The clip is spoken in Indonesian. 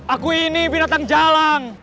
aku ini binatang jalan